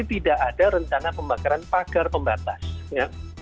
tidak ada rencana pembakaran pagar pembatas ya